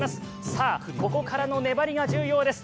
さあ、ここからの粘りが重要です。